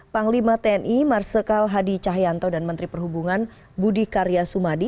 panglima tni marsikal hadi cahyanto dan menteri perhubungan budi karya sumadi